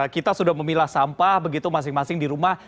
kita sudah memilah sampah begitu masing masing di rumah